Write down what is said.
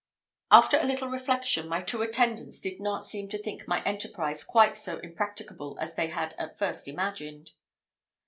After a little reflection, my two attendants did not seem to think my enterprise quite so impracticable as they had at first imagined it.